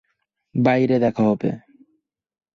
বাইরে দেখা হবে।